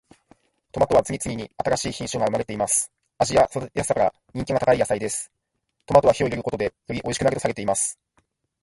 トマトは次々に新しい品種が生まれています。味や育てやすさから人気が高い野菜です。トマトは火を入れることでよりおいしくなるとされています。